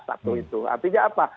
satu itu artinya apa